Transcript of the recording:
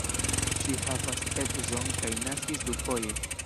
Ŝi havas edzon kaj naskis dufoje.